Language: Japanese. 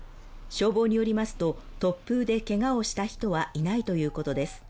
消防によりますと、突風でけがをした人はいないということです。